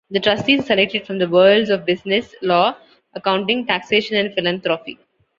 The trustees are selected from the worlds of business, law, accounting, taxation and philanthropy.